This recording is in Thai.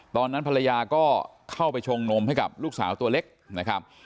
ตอนนั้นภรรยาก็เข้าไปชงนมให้กับลูกสาวตัวเล็กนะครับ